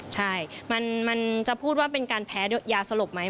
ใช่มันจะพูดว่าเป็นการแพ้ยาสลบไหม